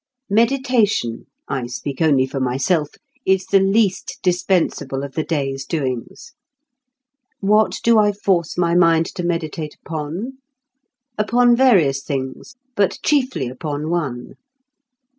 Meditation (I speak only for myself) is the least dispensable of the day's doings. What do I force my mind to meditate upon? Upon various things, but chiefly upon one.